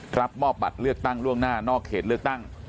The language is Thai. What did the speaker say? รับมอบบัตรเลือกตั้งล่วงหน้านอกเขตเลือกตั้ง